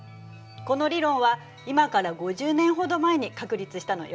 この理論は今から５０年ほど前に確立したのよ。